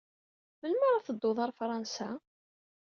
Melmi ara teddud ɣer Fṛansa?